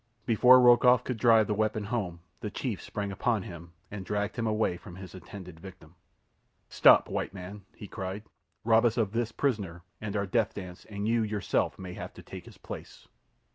Before Rokoff could drive the weapon home the chief sprang upon him and dragged him away from his intended victim. "Stop, white man!" he cried. "Rob us of this prisoner and our death dance, and you yourself may have to take his place."